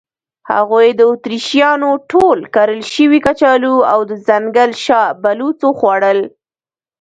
هغوی د اتریشیانو ټول کرل شوي کچالو او د ځنګل شاه بلوط وخوړل.